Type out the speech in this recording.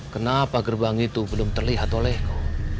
kenapa gerbang itu belum terlihat olehku